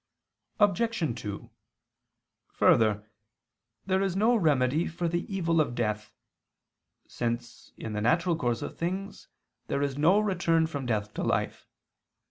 Obj. 2: Further, there is no remedy for the evil of death: since, in the natural course of things, there is no return from death to life.